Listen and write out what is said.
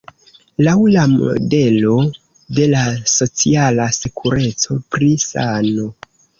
Laŭ la modelo de la "Sociala Sekureco" pri sano.